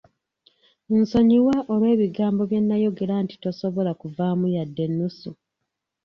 Nsonyiwa olw'ebigambo bye nnayogera nti tosobola kuvaamu yadde ennusu.